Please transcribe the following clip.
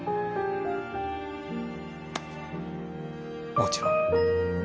もちろん。